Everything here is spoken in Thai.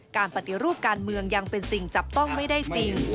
ปฏิรูปการเมืองยังเป็นสิ่งจับต้องไม่ได้จริง